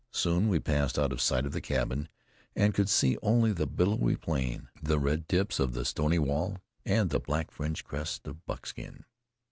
Soon we passed out of sight of the cabin, and could see only the billowy plain, the red tips of the stony wall, and the black fringed crest of Buckskin.